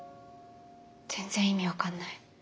全然意味分かんない。